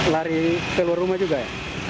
lari keluar rumah juga ya